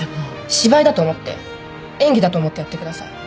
芝居だと思って演技だと思ってやってください